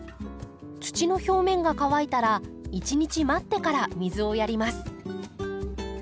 土の表面が乾いたら１日待ってから水をやります。